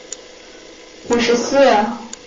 卒年五十四。